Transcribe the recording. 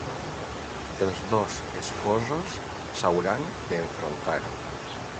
Els dos esposos s'hauran d'enfrontar.